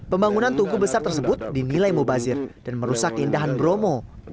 pembangunan tugu besar tersebut dinilai mubazir dan merusak keindahan bromo